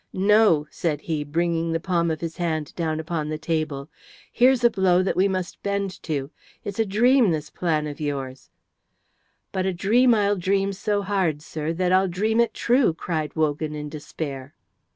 "No," said he, bringing the palm of his hand down upon the table. "Here's a blow that we must bend to! It's a dream, this plan of yours." "But a dream I'll dream so hard, sir, that I'll dream it true," cried Wogan, in despair.